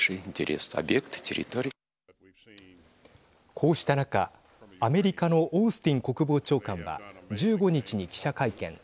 こうした中、アメリカのオースティン国防長官は１５日に記者会見。